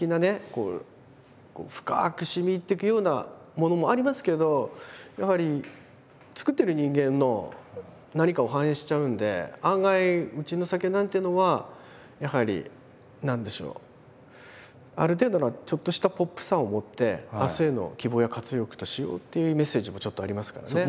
こう深くしみ入ってくようなものもありますけどやはり造ってる人間の何かを反映しちゃうんで案外うちの酒なんていうのはやはり何でしょうある程度のちょっとしたポップさをもって明日への希望や活力としようっていうメッセージもちょっとありますからね。